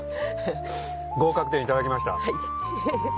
合格点頂きました。